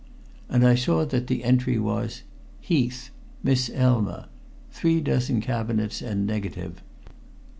And I saw that the entry was: "Heath Miss Elma 3 dozen cabinets and negative.